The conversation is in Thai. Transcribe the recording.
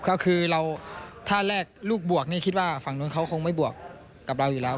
ก็คือเราถ้าแลกลูกบวกนี่คิดว่าฝั่งนู้นเขาคงไม่บวกกับเราอยู่แล้ว